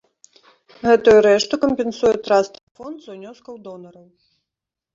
Гэтую рэшту кампенсуе траставы фонд з унёскаў донараў.